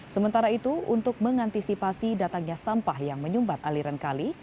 sementara itu untuk mengantisipasi datangnya sampah yang menyumbat aliran kali